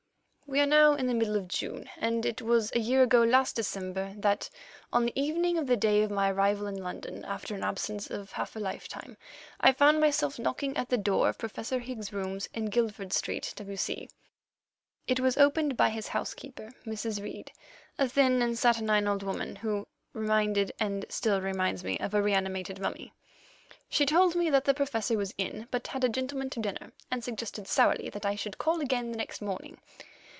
We are now in the middle of June, and it was a year ago last December that, on the evening of the day of my arrival in London after an absence of half a lifetime, I found myself knocking at the door of Professor Higgs's rooms in Guildford Street, W.C. It was opened by his housekeeper, Mrs. Reid, a thin and saturnine old woman, who reminded and still reminds me of a reanimated mummy. She told me that the Professor was in, but had a gentleman to dinner, and suggested sourly that I should call again the next morning.